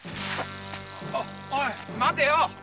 おい待てよ。